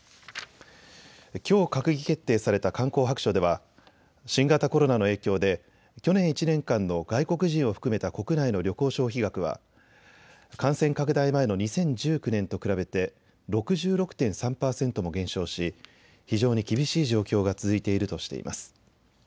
きょう閣議決定された観光白書では新型コロナの影響で去年１年間の外国人を含めた国内の旅行消費額は感染拡大前の２０１９年と比べて６６．３％も減少し非常に厳しい状況が続いているとしています。